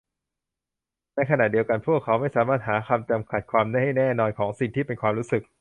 ในขณะเดียวกันพวกเขาไม่สามารถหาคำจำกัดความที่แน่นอนของสิ่งที่เป็นความรู้สึก